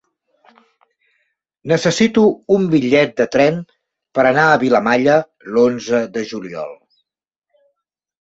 Necessito un bitllet de tren per anar a Vilamalla l'onze de juliol.